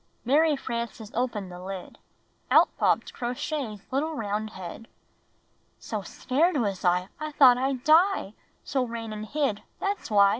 Mary Frances opened the lid. Out popped Crow Shay's little round head. "So scared was I, I thought I'd die; So ran and hid — That's why!